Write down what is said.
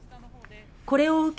これを受け